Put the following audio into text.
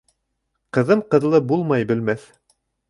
Ҡыҙым ҡыҙлы булмай белмәҫ